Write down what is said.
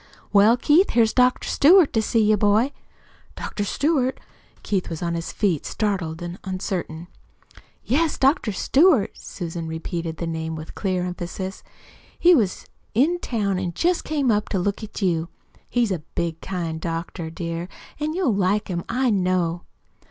"Well, Keith, here's Dr. Stewart to see you boy." "Dr. Stewart?" Keith was on his feet, startled, uncertain. "Yes, Dr. Stewart.'" Susan repeated the name with clear emphasis. "He was in town an' jest came up to look at you. He's a big, kind doctor, dear, an' you'll like him, I know."